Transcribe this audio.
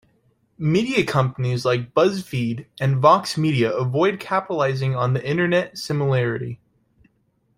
Media companies like BuzzFeed and Vox Media avoid capitalizing the "internet" similarly.